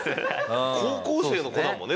高校生の子だもんね